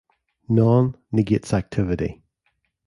"Non" negates activity.